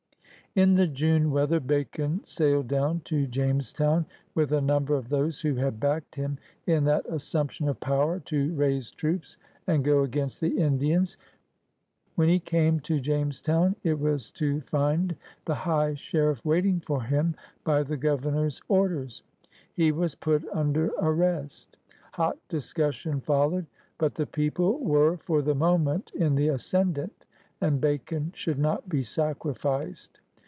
In the June weather Bacon sailed down to Jamestown, with a number of those who had backed him in that assumption of power to raise NATHANIEL BACON 167 troops and go against the Indians. When he came to Jamestown it was to find the high sheriff wait ing for him by the Governor's orders. He was put under arrest. Hot discussion followed. But the people were for the moment in the ascendent, and Bacon should not be sacrificed.